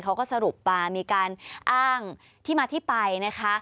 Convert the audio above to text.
เขาก็สรุปมามีการอ้างที่มาที่ไปนะคะ